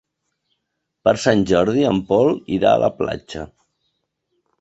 Per Sant Jordi en Pol irà a la platja.